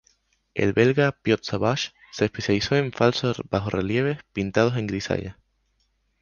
El belga Piat Sauvage se especializó en falsos bajorrelieves pintados en grisalla.